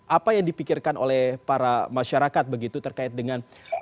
apa yang dipikirkan oleh para masyarakat begitu terkait dengan